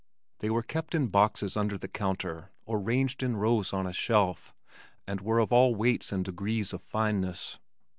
They were kept in boxes under the counter or ranged in rows on a shelf and were of all weights and degrees of fineness.